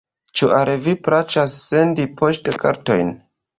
Ĉu al vi plaĉas sendi poŝtkartojn?